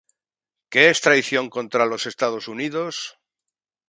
¿Qué es traición contra los Estados Unidos?